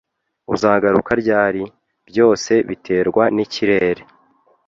Uzagaruka ryari?" "Byose biterwa n'ikirere."